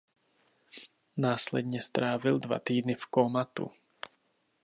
Následně strávil dva týdny v kómatu.